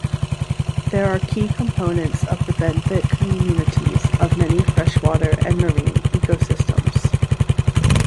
They are key components of the benthic communities of many freshwater and marine ecosystems.